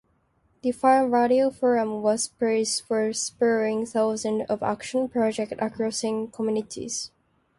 The "Farm Radio Forum" was praised for spurring thousands of "Action Projects" across communities.